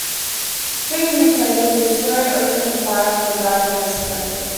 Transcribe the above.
Three minutes later, the destroyer opened fire on the diving S-boat.